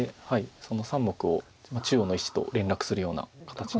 その３目を中央の石と連絡するような形に。